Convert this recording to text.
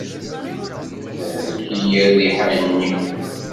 Tehlek-iyi rriḥa-nni.